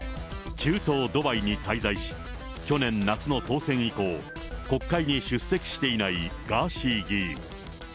中東ドバイに滞在し、去年夏の当選以降、国会に出席していないガーシー議員。